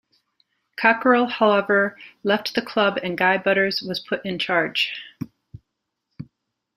Cockerill however left the club and Guy Butters was put in charge.